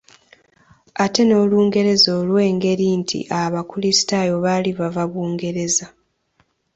Ate n’Olungereza olw’engeri nti abakulisitaayo baali bava Bungereza.